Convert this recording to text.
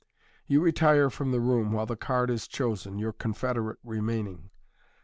You retire from tlic room while the card is chosen, your confederate remaining.